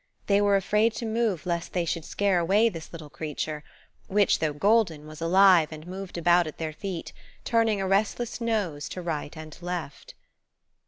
They were afraid to move lest they should scare away this little creature which, though golden, was alive and moved about at their feet, turning a restless nose to right and left.